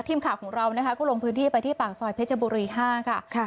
ทีมข่าวของเรานะคะก็ลงพื้นที่ไปที่ปากซอยเพชรบุรี๕ค่ะ